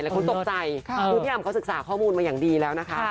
คนตกใจคือพี่อำเขาศึกษาข้อมูลมาอย่างดีแล้วนะคะ